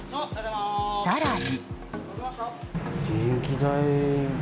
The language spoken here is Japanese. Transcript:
更に。